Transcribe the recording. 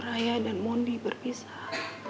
raya dan mondi berpisah